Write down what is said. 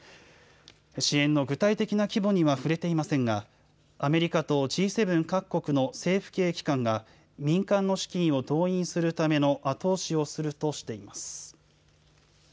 支援の具体的な規模には触れていませんがアメリカとＧ７各国の政府系機関が民間の資金を動員するための後押しをするとしています。